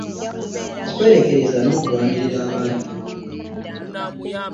Okwerekereza n'okulwanirira abantu be